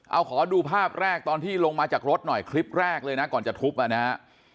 เอาขอดูภาพแรกตอนที่ลงมาจากรถหน่อยคลิปแรกเลยนะก่อนจะทุบอ่ะนะฮะ